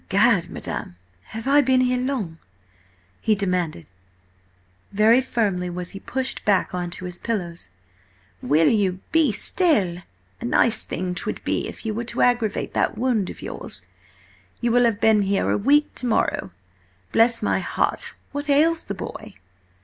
"Egad, madam! have I been here long?" he demanded. Very firmly was he pushed back on to his pillows. "Will you be still? A nice thing 'twould be if you were to aggravate that wound of yours! You will have been here a week to morrow. Bless my heart, what ails the boy?"